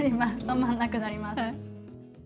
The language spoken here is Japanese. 止まらなくなります。